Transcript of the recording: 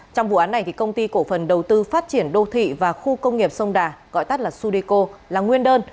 trong vụ án này công ty cổ phần đầu tư phát triển đô thị và khu công nghiệp sông đà gọi tắt là sudeco là nguyên đơn